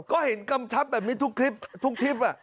ก็เห็นกำชับแบบนี้ทุกทิพย์